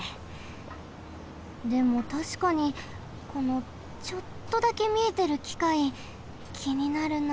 でもたしかにこのちょっとだけみえてるきかいきになるな。